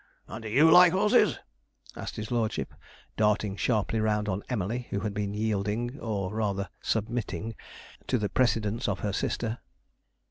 'And do you like horses?' asked his lordship, darting sharply round on Emily, who had been yielding, or rather submitting, to the precedence of her sister.